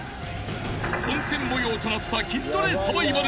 ［混戦模様となった筋トレサバイバル］